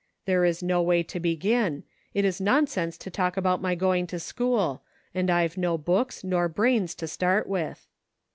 " There is no way to begin ; it is nonsense to talk about my going to school ; and I've no books, nor brains, to start with."